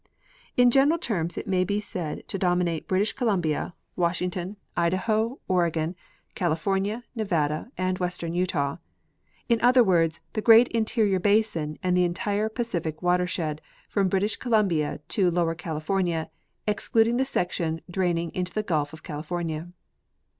In general terms it may be said to dominate British Columbia, Washington, The Pacific Type. 49 Idaho, Oregon, California, Nevada and western Utah ; in other Avords, the great interior basin and the entire Pacific water shed from British Columbia to Lower California, excluding the section draining into the giilf of California.